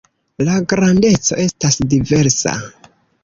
La grandeco estas diversa.